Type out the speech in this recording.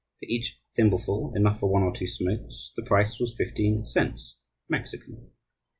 For each thimbleful, enough for one or two smokes, the price was fifteen cents (Mexican).